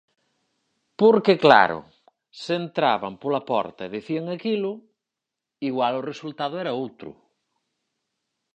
Porque, claro, se entraban pola porta e dicían aquilo, igual o resultado era outro.